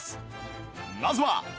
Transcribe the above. まずは